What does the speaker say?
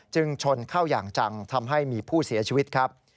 ชนเข้าอย่างจังทำให้มีผู้เสียชีวิตครับ